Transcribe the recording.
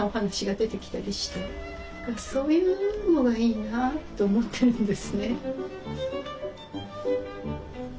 そういうのがいいなと思ってるんですね。